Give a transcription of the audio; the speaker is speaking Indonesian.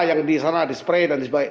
yang diserah dispray dan sebagainya